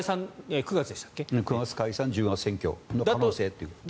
９月解散１０月選挙の可能性です。